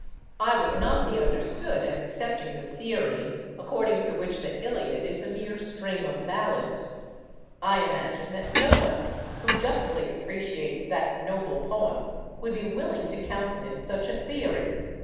I would not be understood as accepting the theory, according to which the 'Iliad' is a mere string of ballads. I imagine that no one who justly appreciates that noble poem would be willing to countenance such a theory.